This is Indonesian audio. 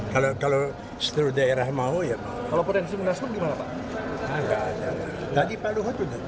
kalau seluruh daerah mau ya mau